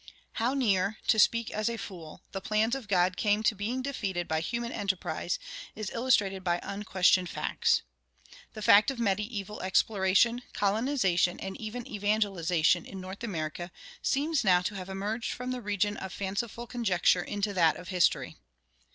How near, to "speak as a fool," the plans of God came to being defeated by human enterprise is illustrated by unquestioned facts. The fact of medieval exploration, colonization, and even evangelization in North America seems now to have emerged from the region of fanciful conjecture into that of history.